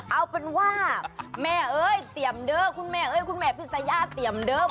เอาเป็นว่าแม่เอ้ยเตรียมเด้อคุณแม่เอ้ยคุณแม่พิษยาเตรียมเดิม